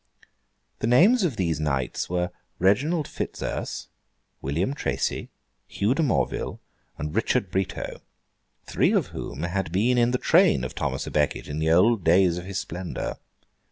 The names of these knights were Reginald Fitzurse, William Tracy, Hugh de Morville, and Richard Brito; three of whom had been in the train of Thomas à Becket in the old days of his splendour.